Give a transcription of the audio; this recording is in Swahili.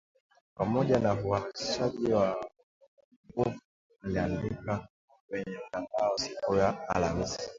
pamoja na uhamasishaji wa nguvu aliandika kwenye mtandao siku ya Alhamisi